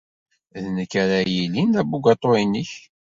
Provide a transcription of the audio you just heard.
D nekk ara yilin d abugaṭu-inek.